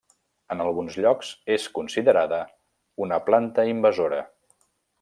En alguns llocs és considerada una planta invasora.